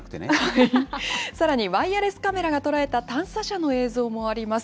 さらにワイヤレスカメラが捉えた探査車の映像もあります。